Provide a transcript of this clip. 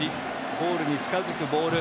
ゴールに近づくボール。